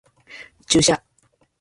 注射